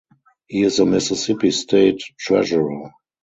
He is the Mississippi State Treasurer.